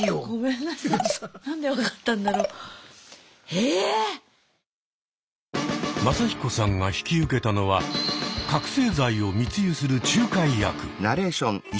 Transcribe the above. ええ⁉マサヒコさんが引き受けたのは覚醒剤を密輸する仲介役。